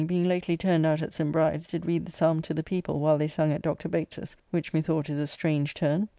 Herring, being lately turned out at St. Bride's, did read the psalm to the people while they sung at Dr. Bates's, which methought is a strange turn.